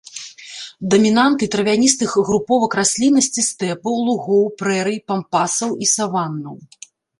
Дамінанты травяністых груповак расліннасці стэпаў, лугоў, прэрый, пампасаў і саваннаў.